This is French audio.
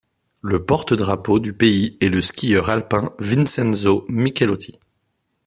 Le porte-drapeau du pays est le skieur alpin Vincenzo Michelotti.